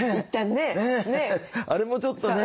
ねえあれもちょっとね。